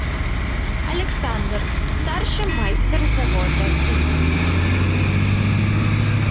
Аляксандр, старшы майстар завода ім.